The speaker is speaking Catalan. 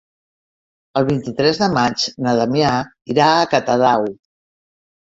El vint-i-tres de maig na Damià irà a Catadau.